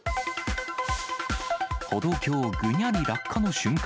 歩道橋ぐにゃり落下の瞬間。